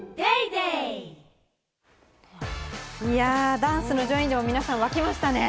ダンスの順位、皆さん、沸きましたね！